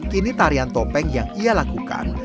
kini tarian topeng yang ia lakukan